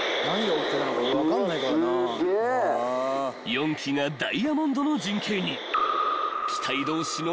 ［４機がダイヤモンドの陣形に］